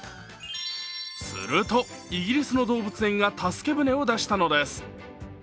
すると、イギリスの動物園が助け船を出したのです。